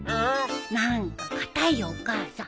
何か固いよお母さん。